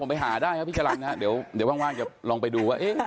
ไปหาได้ครับพี่จรรย์เดี๋ยวว่างจะลองไปดูว่า